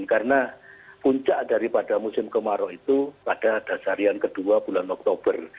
karena puncak daripada musim kemarau itu pada dasarian kedua bulan oktober